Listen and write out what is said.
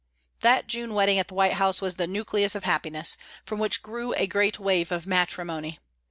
That June wedding at the White House was the nucleus of happiness, from which grew a great wave of matrimony.